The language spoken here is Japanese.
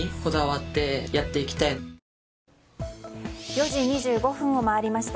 ４時２５分を回りました。